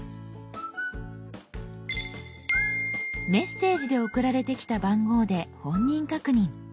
「メッセージ」で送られてきた番号で本人確認。